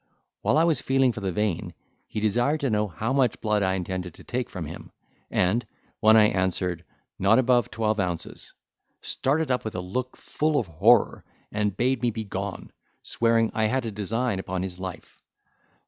While I was feeling for the vein, he desired to know how much blood I intended to take from him, and, when I answered, "not above twelve ounces," started up with a look full of horror, and bade me be gone, swearing I had a design upon his life.